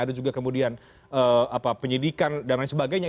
ada juga kemudian penyidikan dan lain sebagainya